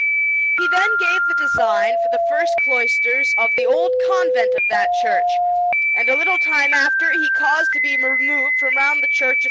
He then gave the design for the first cloisters of the old convent of that church, and a little time after he caused to be removed from round the Church of S.